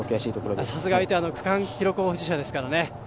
さすが相手は区間記録保持者ですからね。